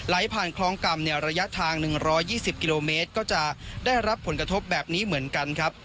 ไหลผ่านคลองกล่ำเนี่ยระยะทางหนึ่งร้อยยี่สิบกิโลเมตรก็จะได้รับผลกระทบแบบนี้เหมือนกันครับ